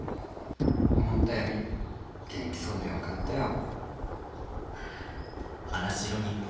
思ったより元気そうでよかったよ。